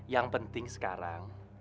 yang penting sekarang